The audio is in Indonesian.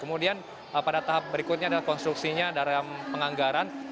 kemudian pada tahap berikutnya adalah konstruksinya dalam penganggaran